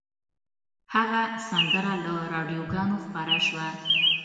هغه سندره له راډیوګانو خپره شوه